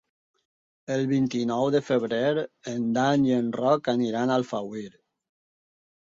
El vint-i-nou de febrer en Dan i en Roc aniran a Alfauir.